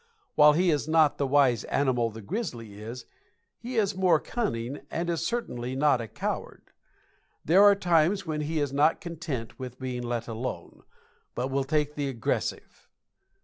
While he is not the wise animal the grizzly is, he is more cunning and is certainly not a coward. There are times when he is not content with being let alone, but will take the aggressive.